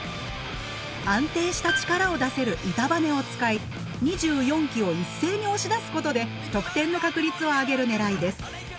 安定した力を出せる板バネを使い２４機を一斉に押し出すことで得点の確率を上げる狙いです。